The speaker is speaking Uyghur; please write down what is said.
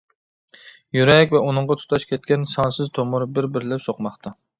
يۈرەك ۋە ئۇنىڭغا تۇتاش كەتكەن سانسىز تومۇر بىر-بىرلەپ سوقماقتا.